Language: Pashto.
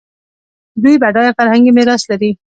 دوی بډایه فرهنګي میراث لري.